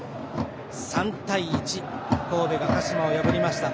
３対１、神戸が鹿島を破りました。